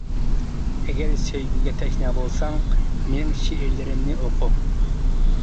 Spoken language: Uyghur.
ئەگەر سۆيگۈگە تەشنا بولساڭ، مېنىڭ شېئىرلىرىمنى ئوقۇ.